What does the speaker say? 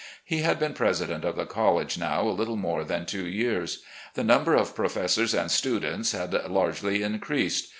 He had been president of the college now a little more than two years. The number of professors and students had largely increased.